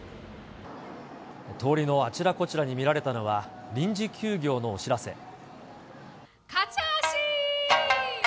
通りのあちらこちらに見られたのは、臨時休業のお知らせ。